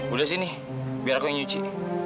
udah sini biar aku yang nyuci